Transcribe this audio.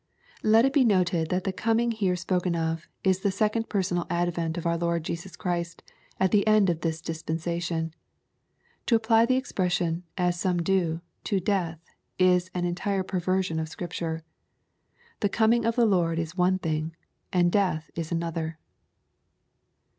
] Let it be noted that the coming here spoken of, is the second personal advent of our Lord Jesus Christ, at the end of this dispensation. To apply the expression, as some do, to death, is an entire perversion of Scripture. The coming of the Lord is one thing, and death is another.